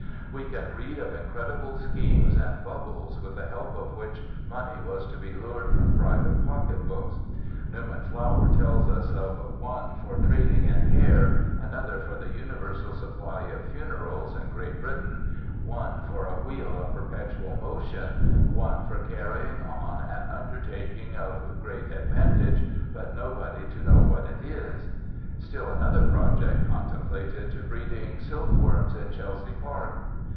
We can read of incredible schemes and "bubbles" with the help of which money was to be lured from private pocket books. Newman Flower tells of "one for trading in hair, another for the universal supply of funerals in Great Britain, one for a wheel of perpetual motion, one 'for carrying on an undertaking of great advantage, but nobody to know what it is'." Still another project contemplated "breeding silkworms in Chelsea Park."